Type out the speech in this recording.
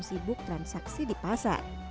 sibuk transaksi di pasar